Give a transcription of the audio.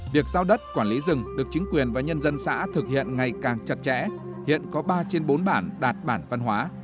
việc giao đất quản lý rừng được chính quyền và nhân dân xã thực hiện ngày càng chặt chẽ hiện có ba trên bốn bản đạt bản văn hóa